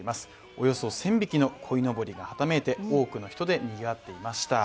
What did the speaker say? およそ１０００匹のこいのぼりがはためいて多くの人で賑わっていました。